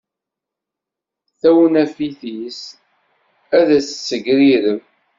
Tawnafit-is ad t-tessegrireb.